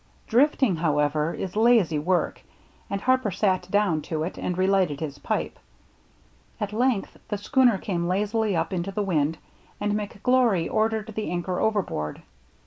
Drifting, however, is lazy work, and Harper sat down to it and relighted his pipe. At length the schooner came lazily up into the wind and McGlory 124 THE MERRT ANNE ordered the anchor overboard.